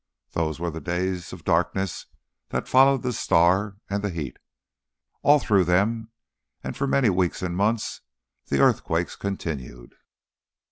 Those were the days of darkness that followed the star and the heat. All through them, and for many weeks and months, the earthquakes continued.